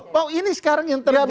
pak ini sekarang yang terjadi